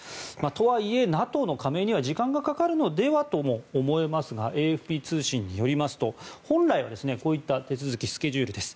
とはいえＮＡＴＯの加盟には時間がかかるのではとも思いますがＡＦＰ通信によりますと本来はこういった手続きスケジュールです。